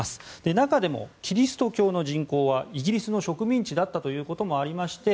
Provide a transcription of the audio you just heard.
中でもキリスト教の人口はイギリスの植民地だったということもありまして